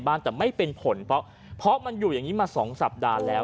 แต่ไม่เป็นผลเพราะเพราะมันอยู่อย่างนี้มา๒สัปดาห์แล้ว